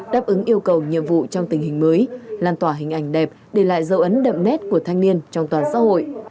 đáp ứng yêu cầu nhiệm vụ trong tình hình mới lan tỏa hình ảnh đẹp để lại dấu ấn đậm nét của thanh niên trong toàn xã hội